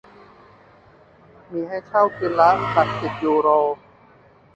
มีให้เช่าคืนละ "หลักสิบยูโร"